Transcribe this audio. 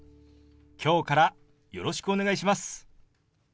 今日からよろしくお願いします。